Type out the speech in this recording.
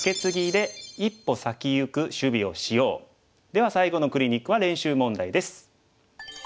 では最後のクリニックは練習問題です。